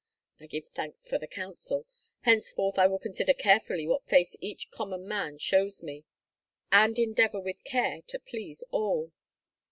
"I give thanks for the counsel. Henceforth I will consider carefully what face each common man shows me, and endeavor with care to please all."